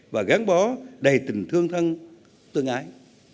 và gán bó đầy tình thương thân tương ái